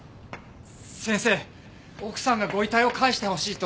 先生奥さんがご遺体を返してほしいと。